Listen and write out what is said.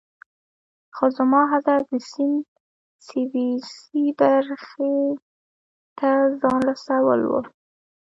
خو زما هدف د سیند سویسی برخې ته ځان رسول وو.